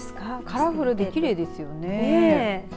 カラフルで、きれいですよね。